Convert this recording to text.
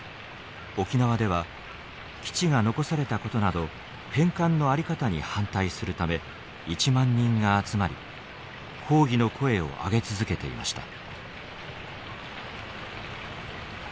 沖縄では基地が残されたことなど返還の在り方に反対するため１万人が集まり抗議の声を上げ続けていました。